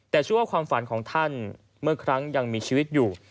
แต่เชื่อว่าความฝันของท่านเมื่อครั้งยังมีชีวิตอยู่